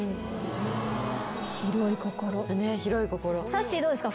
さっしーどうですか？